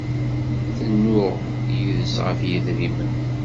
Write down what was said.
Tennuɣ yid-s ɣef yidrimen.